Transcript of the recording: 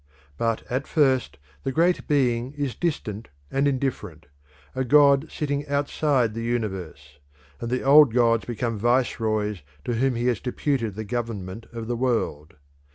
But at first the Great Being is distant and indifferent, "a god sitting outside the universe"; and the old gods become viceroys to whom he has deputed the government of the world.